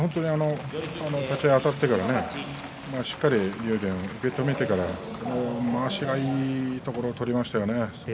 立ち合いあたってからしっかり竜電を受け止めてからまわしがいいところ取りましたね。